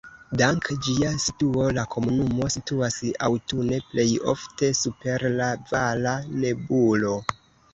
Dank ĝia situo la komunumo situas aŭtune plej ofte super la vala nebulo.